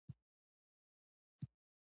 راځه ولاړ سه له نړۍ د انسانانو